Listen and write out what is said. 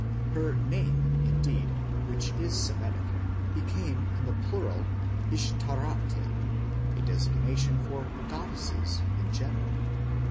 Her name, indeed, which is Semitic, became in the plural, Ishtaráte, a designation for goddesses in general.